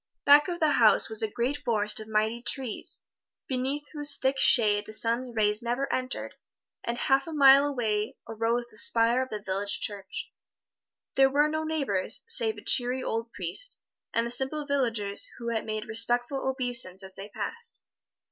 Back of the house was a great forest of mighty trees, beneath whose thick shade the sun's rays never entered, and a half mile away arose the spire of the village church. There were no neighbors, save a cheery old priest, and the simple villagers who made respectful obeisance as they passed.